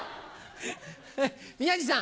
宮治さん。